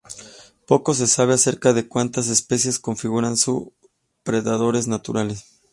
Poco se sabe acerca de cuales especies configuran sus predadores naturales.